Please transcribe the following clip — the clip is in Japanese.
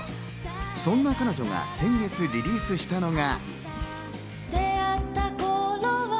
そんな彼女が先日、リリースしたのが。